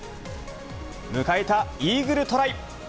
迎えたイーグルトライ。